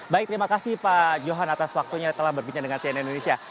baik terima kasih pak johan atas waktunya telah berbincang dengan cnn indonesia